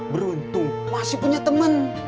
beruntung masih punya temen